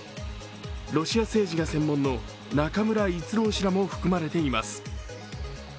ロシア政治が専門の中村逸郎氏なども含まれています。